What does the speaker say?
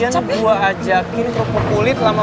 tuh tarik tarik lagi